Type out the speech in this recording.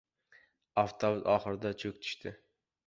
Avtobus oxirida cho‘k tushdi.